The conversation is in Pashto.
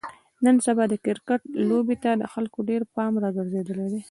نن سبا د کرکټ لوبې ته د خلکو ډېر پام راگرځېدلی دی.